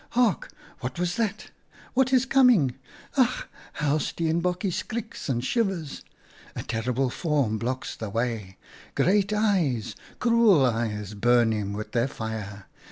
M Hark ! what was that ? What is coming? Ach ! how Steenbokje skriks and shivers ! A terrible form blocks the way! Great eyes — cruel eyes burn him with their fire.